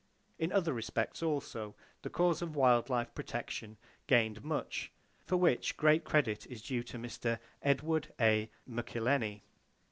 In other respects, also, the cause of wild life protection gained much; for which great credit is due to Mr. Edward A. McIlhenny.